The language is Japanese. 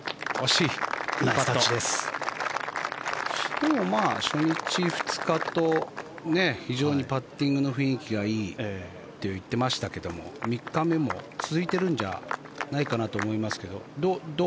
でも、初日、２日と非常にパッティングの雰囲気がいいと言ってましたけど３日目も続いているんじゃないかなと思いますけどどう？